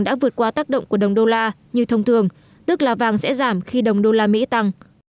đã vượt qua tác động của đồng usd như thông thường tức là vàng sẽ giảm khi đồng usd tăng